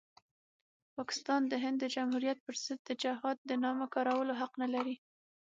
پاکستان د هند د جمهوریت پرضد د جهاد د نامه کارولو حق نلري.